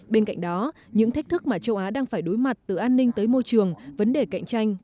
bên cạnh đó những thách thức mà châu á đang phải đối mặt từ an ninh tới môi trường vấn đề cạnh tranh